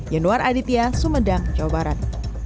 yanuar aditya sumedang jawa barat